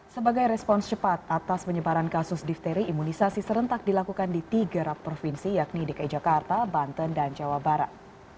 sebagai respons cepat atas penyebaran kasus difteri imunisasi serentak dilakukan di tiga provinsi yakni dki jakarta banten dan jawa barat